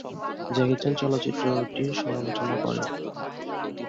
Jackie Chan চলচ্চিত্রটির সমালোচনা করেন।